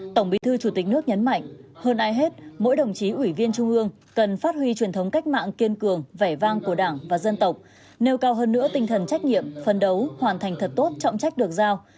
tổng bí thư chủ tịch nước nhấn mạnh hơn ai hết mỗi đồng chí ủy viên trung ương cần phát huy truyền thống cách mạng kiên cường vẻ vang của đảng và dân tộc nêu cao hơn nữa tinh thần trách nhiệm phân đấu hoàn thành thật tốt trọng trách được giao